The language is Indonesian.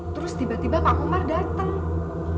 terus tiba tiba pak umar datang